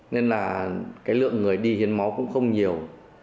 nên là cái lượng người đi hiến máu cũng không nhiều